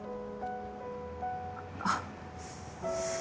あっ。